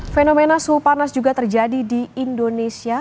fenomena suhu panas juga terjadi di indonesia